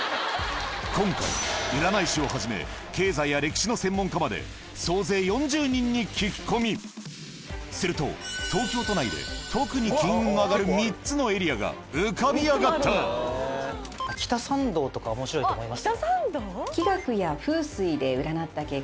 今回占い師をはじめ経済や歴史の専門家まで総勢４０人に聞き込みすると東京都内で特にが浮かび上がったとか面白いと思います。